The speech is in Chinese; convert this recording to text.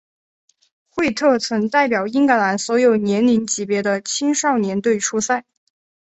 惠特曾代表英格兰所有年龄级别的青少队出赛。